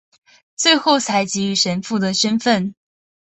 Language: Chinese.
最后才给予神父的身分。